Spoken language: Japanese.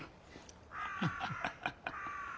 ハハハハハ。